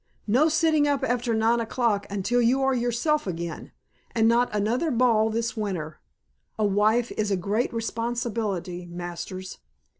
"No sitting up after nine o'clock until you are yourself again, and not another ball this winter. A wife is a great responsibility, Masters.